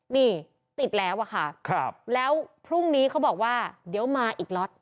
นี่ติดแล้วอะค่ะครับแล้วพรุ่งนี้เขาบอกว่าเดี๋ยวมาอีกล็อต